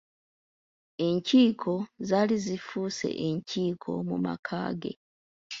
Enkiiko zaali zifuuse enkiiko mu maka ge.